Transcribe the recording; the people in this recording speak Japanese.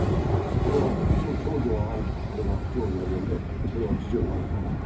これは長女が、これは長女のもので、これは次女のもの。